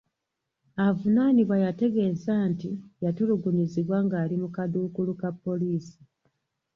Avunaanibwa yategeeza nti yatulugunyizibwa nga ali mu kaduukulu ka poliisi.